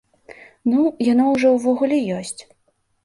Ну, яно ўжо ўвогуле ёсць.